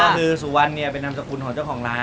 คือสุวรรณเป็นนามสกุลของเจ้าของร้าน